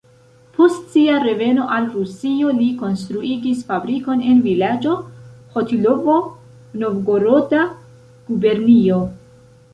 Post sia reveno al Rusio li konstruigis fabrikon en vilaĝo Ĥotilovo, Novgoroda gubernio.